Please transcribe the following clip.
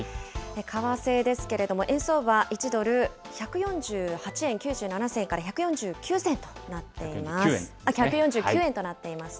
為替ですけれども、円相場、１ドル１４８円９７銭から１４９銭となっています。